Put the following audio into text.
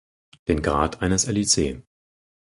Den Grad eines Lic.